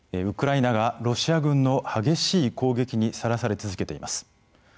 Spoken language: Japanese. ウクライナがロシア軍の激しい攻撃にさらされ続けています。